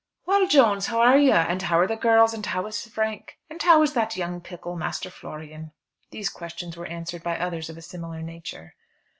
"Well, Jones, how are you; and how are the girls, and how is Frank, and how is that young pickle, Master Florian?" These questions were answered by others of a similar nature.